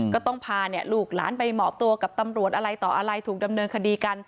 ก็ต้องพาลูกหลานไปหมอบตัวกับตำรวจอะไรต่ออะไรถูกดำเนินคดีกัน